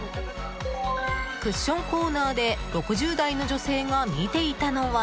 クッションコーナーで６０代の女性が見ていたのは。